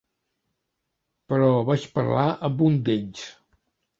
Però vaig parlar amb un d'ells.